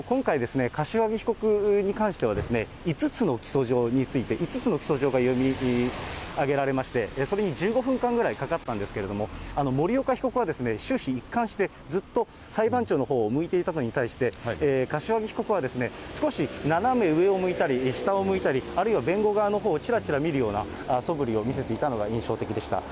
今回、柏木被告に関しては、５つの起訴状について、５つの起訴状が読み上げられまして、それに１５分間くらいかかったんですけれども、森岡被告はですね、終始一貫して、ずっと裁判長のほうを向いていたのに対して、柏木被告は、少し斜め上を向いたり、下を向いたり、あるいは弁護側のほうをちらちら見るようなそぶりを見せていたのが印象的でした。